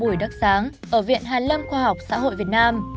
bùi đức sáng ở viện hàn lâm khoa học xã hội việt nam